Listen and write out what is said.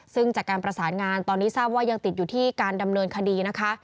ซึ่งจากการประสานงานตอนนี้ทราบว่ายังติดอยู่ที่การดำเนินคดีนะคะ